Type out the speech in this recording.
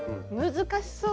難しそう。